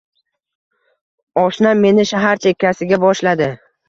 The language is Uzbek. Oshnam meni shahar chekkasiga boshladi